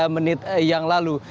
menit yang lalu